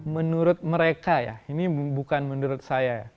menurut mereka ya ini bukan menurut saya